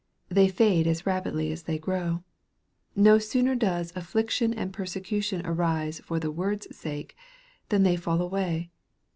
They fade as rapidly as they grow. No sooner does " affliction and persecution arise for the word's sake/' than they fall away.